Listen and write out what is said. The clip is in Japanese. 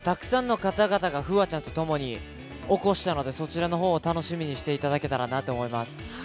たくさんの奇跡を、たくさんの方々が楓空ちゃんと共に起こしたので、そちらのほうを楽しみにしていただけたらなと思います。